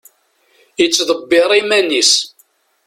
Yettdebbir iman-is.